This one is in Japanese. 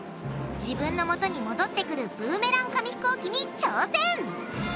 自分のもとに戻ってくるブーメラン紙ひこうきに挑戦！